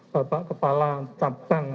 bapak kepala tapang